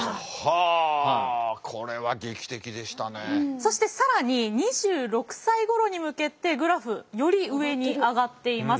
そして更に２６歳ごろに向けてグラフより上に上がっています。